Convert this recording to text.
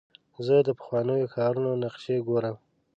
زه د پخوانیو ښارونو نقشې ګورم.